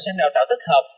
sang đào tạo tích hợp